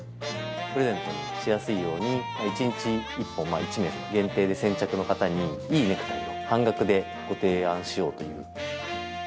プレゼントしやすいように、１日１本１名様限定で先着の方に、いいネクタイを半額でご提案しようという。